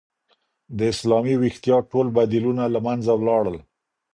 د اسلامي ویښتیا ټول بدیلونه له منځه لاړل.